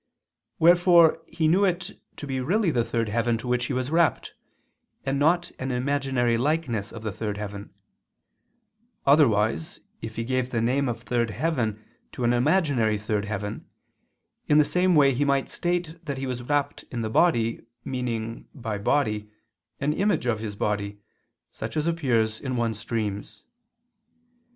Wherefore he knew it to be really the third heaven to which he was rapt, and not an imaginary likeness of the third heaven: otherwise if he gave the name of third heaven to an imaginary third heaven, in the same way he might state that he was rapt in the body, meaning, by body, an image of his body, such as appears in one's dreams.